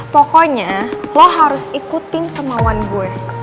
pokoknya lo harus ikutin kemauan gue